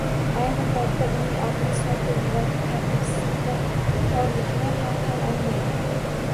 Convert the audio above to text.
Ayni paytda uning aqli, sodda idroki tadbirsizlik va torlikni ham tan olmaydi.